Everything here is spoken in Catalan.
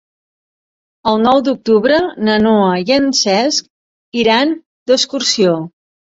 El nou d'octubre na Noa i en Cesc iran d'excursió.